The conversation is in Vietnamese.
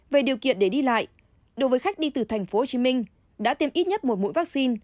về điều kiện để đi lại đối với khách đi từ tp hcm đã tiêm ít nhất một mũi vaccine